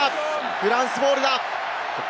フランスボールだ。